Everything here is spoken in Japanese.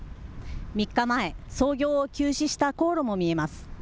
３日前、操業を休止した高炉も見えます。